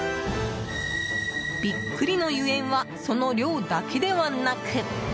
「ビックリ」のゆえんはその量だけではなく。